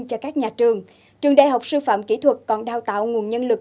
cho các nhà trường trường đại học sư phạm kỹ thuật còn đào tạo nguồn nhân lực